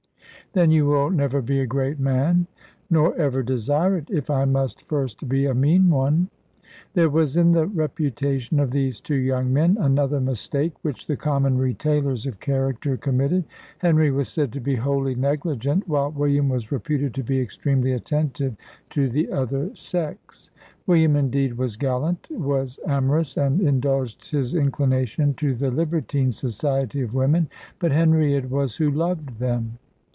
"Then you will never be a great man." "Nor ever desire it, if I must first be a mean one." There was in the reputation of these two young men another mistake, which the common retailers of character committed. Henry was said to be wholly negligent, while William was reputed to be extremely attentive to the other sex. William, indeed, was gallant, was amorous, and indulged his inclination to the libertine society of women; but Henry it was who loved them.